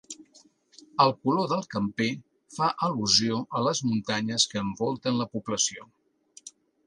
El color del camper fa al·lusió a les muntanyes que envolten la població.